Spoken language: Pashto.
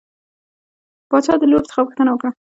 باچا د لور څخه پوښتنه وکړه.